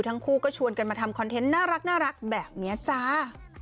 ทั้งคู่ก็ชวนกันมาทำคอนเทนต์น่ารักแบบนี้จ้า